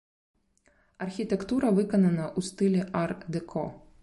Архітэктура выканана ў стылі ар-дэко.